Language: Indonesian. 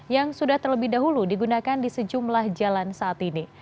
yang sudah terlebih dahulu digunakan di sejumlah jalan saat ini